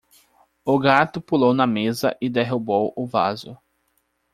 O gato pulou na mesa e derrubou o vaso.